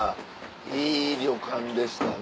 いい旅館でしたね。